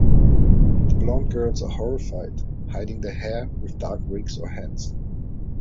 The blonde girls are horrified; hiding their hair with dark wigs or hats.